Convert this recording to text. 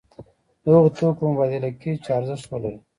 د هغو توکو مبادله کیږي چې ارزښت ولري.